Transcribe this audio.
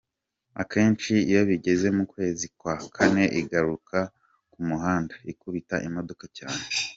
Akenshi iyo bigeze mu kwezi kwa kane igaruka ku muhanda, ikubita imodoka cyane.